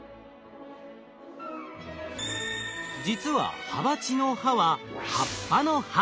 実はハバチの「ハ」は葉っぱの「葉」。